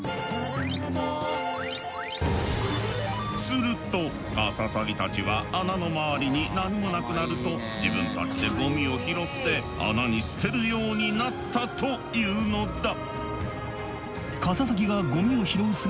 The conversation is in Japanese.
するとカササギたちは穴の周りに何もなくなると自分たちでゴミを拾って穴に捨てるようになったというのだ。